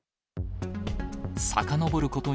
さかのぼること